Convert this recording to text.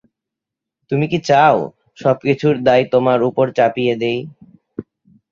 তুমি কি চাও, সবকিছুর দায় তোমার উপয় চাপিয়ে দেই?